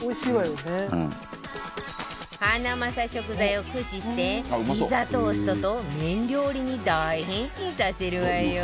ハナマサ食材を駆使してピザトーストと麺料理に大変身させるわよ。